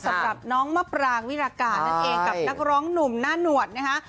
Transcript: สำหรับน้องมะปรางวิรากานั่นเองกับนักร้องหนุ่มหน้าหนวดนะคะ